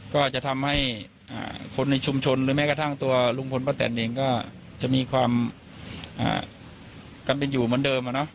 ก็จะทำให้คนในชุมชนหรือแม้กระทั่งตัวลุงพลป้าแตนเองก็จะมีความกันเป็นอยู่เหมือนเดิม